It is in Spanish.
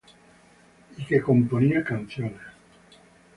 Y que componía canciones.